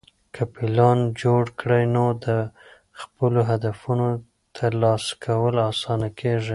که پلان جوړ کړې، نو د خپلو هدفونو ترلاسه کول اسانه کېږي.